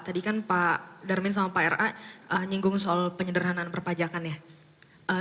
tadi kan pak darmin sama pak ra nyinggung soal penyederhanaan perpajakan ya